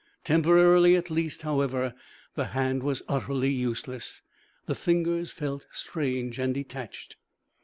Temporarily at least, however, the hand was utterly useless. The fingers felt strange and detached.